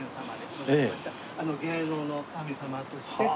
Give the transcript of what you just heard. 芸能の神様として皆様に。